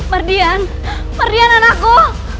mardian mardian anakku